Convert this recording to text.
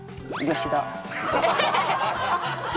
吉田？